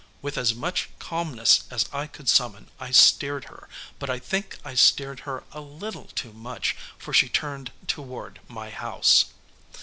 With as much calmness as I could summon I steered her, but I think I steered her a little too much, for she turned toward my house.